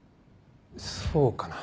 そうかな？